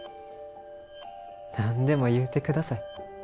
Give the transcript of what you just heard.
何でも言うて下さい。